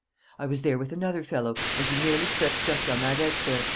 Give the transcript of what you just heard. "I was there with another fellow, and he nearly slipped just on that edge there.